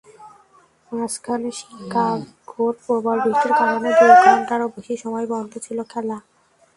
মাঝখানে শিকাগোর প্রবল বৃষ্টির কারণে দুই ঘণ্টারও বেশি সময় বন্ধ ছিল খেলা।